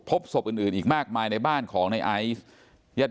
พบศพอื่นอีกมากมายในบ้านของนายไอซ์